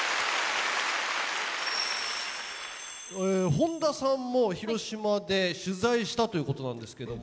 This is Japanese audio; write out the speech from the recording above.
本田さんも広島で取材したということなんですけども。